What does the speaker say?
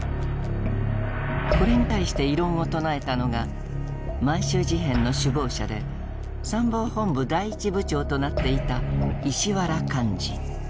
これに対して異論を唱えたのが満州事変の首謀者で参謀本部第一部長となっていた石原莞爾。